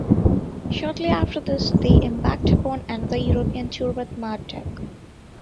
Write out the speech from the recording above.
Shortly after this, they embarked upon another European tour with Marduk.